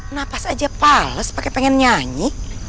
nah pas aja pales pake pengen nyanyi